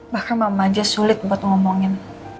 bahkan mama aja sulit buat ngomongin